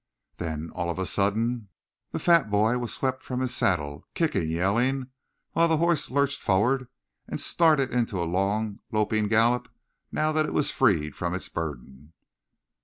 Then, all of a sudden, the fat boy was swept from his saddle, kicking, yelling, while the horse lurched forward and started into a long, loping gallop now that it was freed from its burden.